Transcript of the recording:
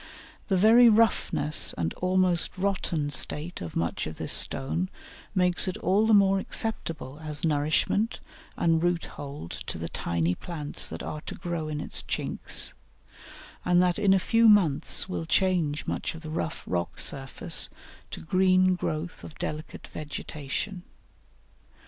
The very roughness and almost rotten state of much of this stone makes it all the more acceptable as nourishment and root hold to the tiny plants that are to grow in its chinks, and that in a few months will change much of the rough rock surface to green growth of delicate vegetation.